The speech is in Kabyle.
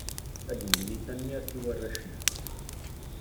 Ad nini tanemmirt i warrac-nneɣ!